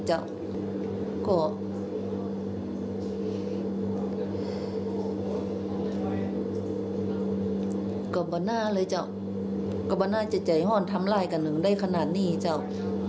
ข้าก็บาดหน้าเลยจ้าวก็บาดหน้าจะไจฮ่อนทำร้ายกันไหร่ได้ขนาดนี้จ้าว